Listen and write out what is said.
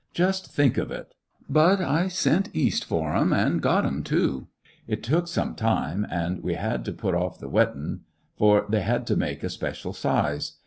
"Just think of it ! But I sent East for 'em, an' got 'em, too. It took some time, an' we had to put off the weddin', for they had to be made a special size.